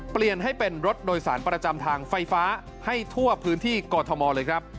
เปลี่ยนให้เป็นรถโดยสารประจำทางไฟฟ้าให้ทั่วพื้นที่กอทมเลยครับ